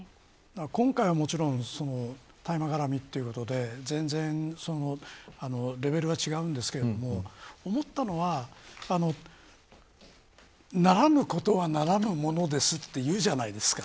今回はもちろん大麻絡みということで全然レベルが違うんですけど思ったのはならぬことはならぬものですというじゃないですか。